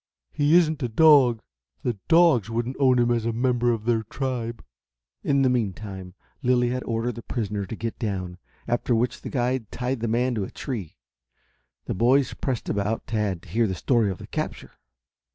"He isn't a dog. The dogs wouldn't own him as a member of their tribe." In the meantime, Lilly had ordered the prisoner to get down, after which the guide tied the man to a tree. The boys pressed about Tad to hear the story of the capture.